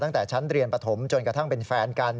ตั้งแต่ชั้นเรียนปฐมจนกระทั่งเป็นแฟนกัน